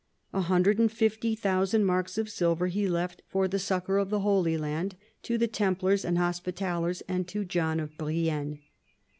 A hundred and fifty thousand marks of silver he left, for the succour of the Holy Land, to the Templars and Hospitallers, and to John of Brienne.